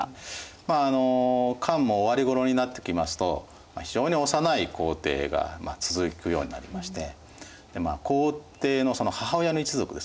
まあ漢も終わりごろになってきますと非常に幼い皇帝が続くようになりまして皇帝のその母親の一族ですね